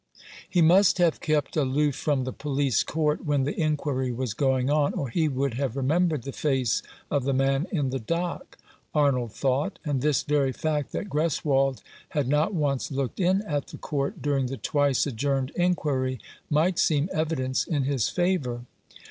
" He must have kept aloof from the police court when the inquiry was going on, or he would have remembered the face of the man in the dock," Arnold thought, and this very fact that Greswold had not once looked in at the Court during the twice adjourned inquiry might seem evidence in his favour.